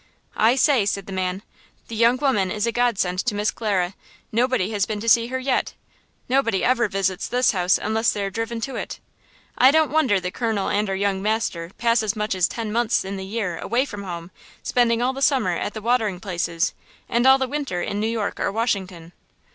"I say," said the man, "the young woman is a God send to Miss Clara; nobody has been to see her yet; nobody ever visits this house unless they are driven to it. I don't wonder the colonel and our young master pass as much as ten months in the year away from home, spending all the summer at the watering places, and all the winter in New York or Washington!"